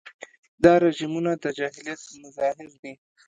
دا رژیمونه د جاهلیت مظاهر دي.